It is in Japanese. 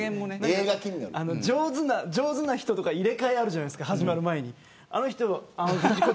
上手な人とか入れ替えあるじゃないですか始まる前に。